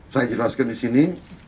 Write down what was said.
saya jelaskan disini